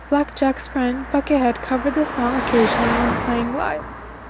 Jack Black's friend Buckethead covered the song occasionally when playing live.